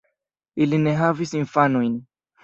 Ili ne havis infanojn.